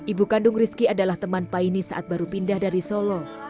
ibu kandung rizky adalah teman paine saat baru pindah dari solo